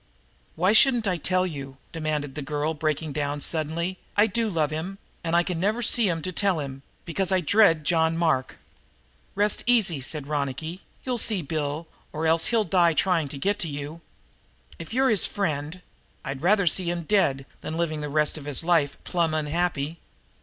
"Why shouldn't I tell you?" demanded the girl, breaking down suddenly. "I do love him, and I can never see him to tell him, because I dread John Mark." "Rest easy," said Ronicky, "you'll see Bill, or else he'll die trying to get to you." "If you're his friend " "I'd rather see him dead than living the rest of his life, plumb unhappy."